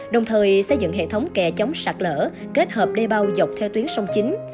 đồng thời xây dựng hệ thống kè chống sạt lỡ kết hợp đê bao dọc theo tuyến sông chính